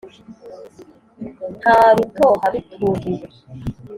Nta rutoha rutuhiwe